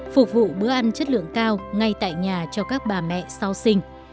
phục vụ bữa ăn chất lượng cao ngay tại nhà cho các bà mẹ sau sinh